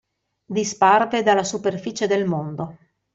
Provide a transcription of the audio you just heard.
Disparve dalla superficie del mondo.